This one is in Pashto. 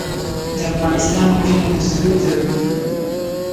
د افغانستان غرونه د سرو زرو دي